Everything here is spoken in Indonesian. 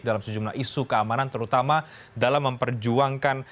dalam sejumlah isu keamanan terutama dalam memperjuangkan